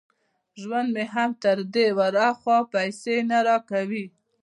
ژوند مې هم تر دې ور هاخوا پيسې نه را کوي.